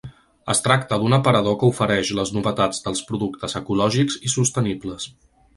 Es tracte d’un aparador que ofereix les novetats dels productes ecològics i sostenibles.